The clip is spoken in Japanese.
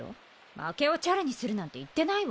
負けをチャラにするなんて言ってないわ。